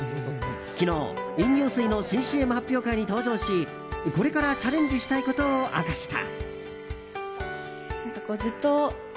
昨日、飲料水の新ＣＭ発表会に登場しこれからチャレンジしたいことを明かした。